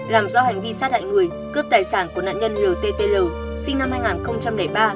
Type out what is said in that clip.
làm rõ hành vi sát hại người cướp tài sản của nạn nhân lt sinh năm hai nghìn ba